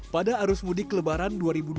pada arus mudik lebaran dua ribu dua puluh